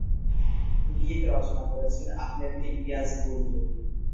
গীত রচনা করেছেন আহমেদ ইমতিয়াজ বুলবুল।